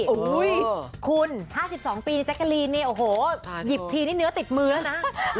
โอ้โหคุณ๕๒ปีแจ๊กกะลีนเนี่ยโอ้โหหยิบทีนี่เนื้อติดมือแล้วนะ